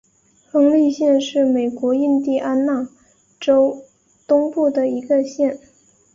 亨利县是美国印地安纳州东部的一个县。